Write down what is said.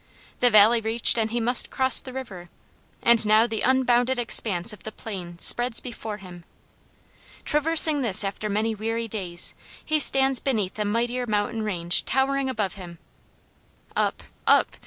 The valley reached and he must cross the river, and now the unbounded expanse of the plain spreads before him. Traversing this after many weary days he stands beneath a mightier mountain range towering above him. Up! up!